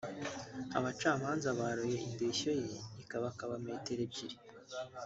Abacamanza baroye indeshyo ye ikabakaba metero ebyiri